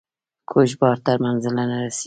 کوږ بار تر منزله نه رسیږي.